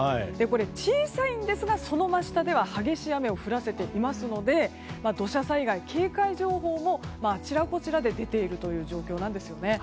小さいんですが、その真下では激しい雨を降らせていますので土砂災害警戒情報もあちらこちらで出ている状況なんですね。